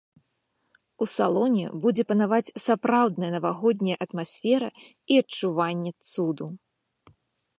У салоне будзе панаваць сапраўдная навагодняя атмасфера і адчуванне цуду.